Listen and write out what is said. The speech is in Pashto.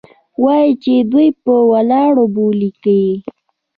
وايي چې دوى په ولاړو بولې کيې.